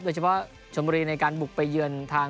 โดยเฉพาะชมบุธรีป้างไปเยือนทาง